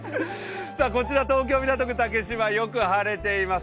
こちら東京・港区竹芝、よく晴れています。